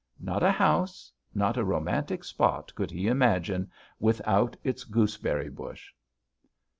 Not a house, not a romantic spot could he imagine without its gooseberry bush.